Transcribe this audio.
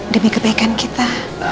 demi kebaikan kita